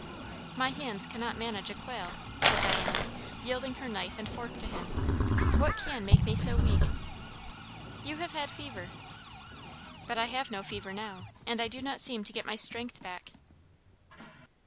"My hands cannot manage a quail!" said Diana, yielding her knife and fork to him. "What can make me so weak?" "You have had fever." "But I have no fever now, and I do not seem to get my strength back."